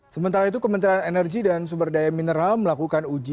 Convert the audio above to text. sementara itu kementerian energi dan sumberdaya mineral melakukan ujian